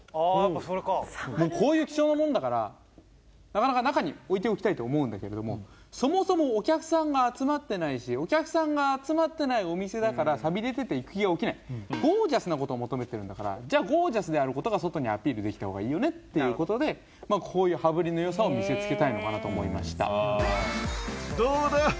その答えは私の解答はこちらと思うんだけれどもそもそもお客さんが集まってないしお客さんが集まってないお店だからさびれてて行く気が起きないゴージャスなことを求めてるんだからじゃあゴージャスであることが外にアピールできた方がいいよねっていうことでこういう羽振りのよさを見せつけたいのかなと思いましたどうだ！